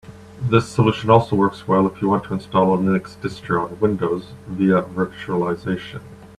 This solution also works well if you want to install a Linux distro on Windows via virtualization.